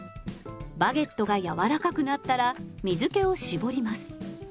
バゲットが柔らかくなったら水けを絞ります。